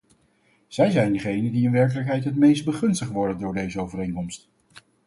Zij zijn degenen die in werkelijkheid het meest begunstigd worden door deze overeenkomst.